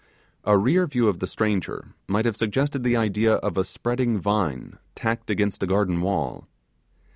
A rear view of the stranger might have suggested the idea of a spreading vine tacked against a garden wall.